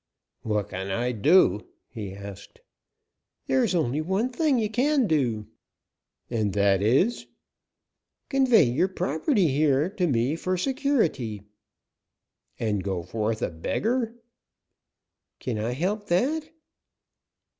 "What can I do?" he asked. "There is only one thing you can do." "And that is " "Convey your property here to me for security." "And go forth a beggar?" "Can I help that?"